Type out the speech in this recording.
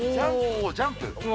ジャンプ？